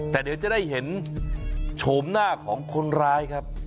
แต่เดี๋ยวจะได้เห็นโฉมหน้าของคนร้ายครับ